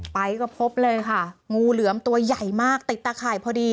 ไปก็พบเลยค่ะงูเหลือมตัวใหญ่มากติดตะข่ายพอดี